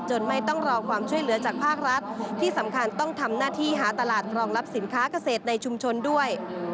ไม่ต้องรอความช่วยเหลือจากภาครัฐที่สำคัญต้องทำหน้าที่หาตลาดรองรับสินค้าเกษตรในชุมชนด้วย